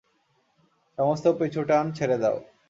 সমস্ত পিছুটান ছেঁড়ে দাও।